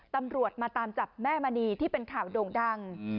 ตำรวจมาตามจับแม่มณีที่เป็นข่าวโด่งดัง